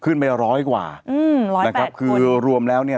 ขึ้นไปร้อยกว่าร้อยแปดคนคือรวมแล้วเนี่ย